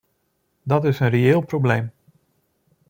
Dat is een reëel probleem.